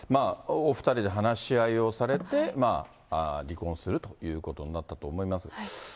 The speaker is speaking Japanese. お２人で話し合いをされて、離婚するということになったと思います。